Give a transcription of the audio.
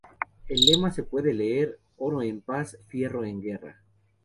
En el lema se puede leer "Oro en paz, fierro en guerra".